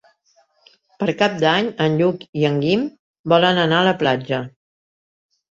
Per Cap d'Any en Lluc i en Guim volen anar a la platja.